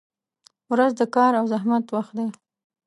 • ورځ د کار او زحمت وخت دی.